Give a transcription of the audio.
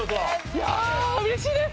いや嬉しいです！